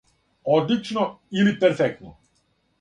Одлично или перфектно.